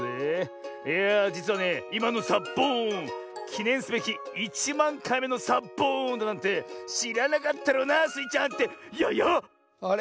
いやあじつはねいまのサッボーンきねんすべき１まんかいめのサッボーンだなんてしらなかったろうなスイちゃんってややっ⁉あれ？